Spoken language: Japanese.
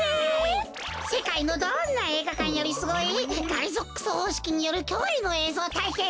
せかいのどんなえいがかんよりスゴイガリゾックスほうしきによるきょういのえいぞうたいけん！